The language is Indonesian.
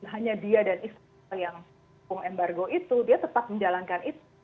hanya dia dan isu isu yang hukum embargo itu dia tetap menjalankan itu